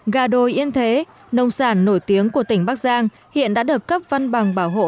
gà đồi yên thế nông sản nổi tiếng của tỉnh bắc giang hiện đã được cấp văn bằng bảo hộ